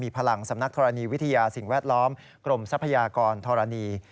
พลังสำนักธรณีวิทยาสิ่งแวดล้อมกรมทรัพยากรธรณี